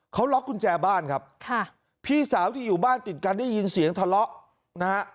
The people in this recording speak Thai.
เขาล็อกกุญแจบ้านครับค่ะพี่สาวที่อยู่บ้านติดกันได้ยินเสียงทะเลาะนะฮะ